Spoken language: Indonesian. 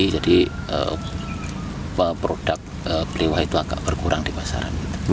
kepada pemerintah kemungkinan untuk membeli produk blewah agak berkurang di pasaran